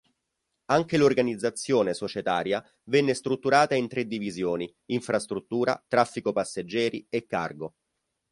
Anche l'organizzazione societaria venne strutturata in tre divisioni, infrastruttura, traffico passeggeri e cargo.